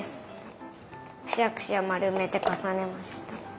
くしゃくしゃまるめてかさねました。